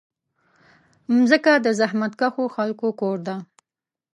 مځکه د زحمتکښو خلکو کور ده.